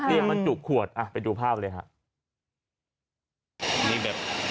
เรียกมันจุกขวดไปดูภาพเลยครับ